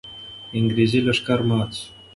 انګریزي لښکر مات سو.